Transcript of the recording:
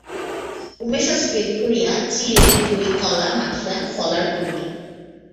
উমেশ আজ পেট ভরিয়া চিঁড়ে দই কলা মাখিয়া ফলার করিল।